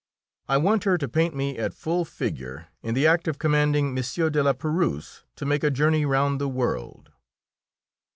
I want her to paint me at full figure, in the act of commanding M. de la Pérouse to make a journey round the world."